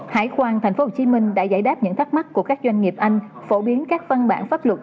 hải quan tp hcm đã giải đáp những thắc mắc của các doanh nghiệp anh phổ biến các văn bản pháp luật